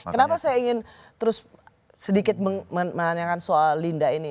kenapa saya ingin terus sedikit menanyakan soal linda ini